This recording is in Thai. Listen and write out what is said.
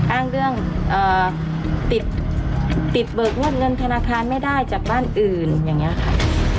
อ้างเรื่องติดเบิกงวดเงินธนาคารไม่ได้จากบ้านอื่นอย่างนี้ค่ะ